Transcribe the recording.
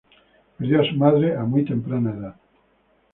Perdió a su madre a muy temprana edad.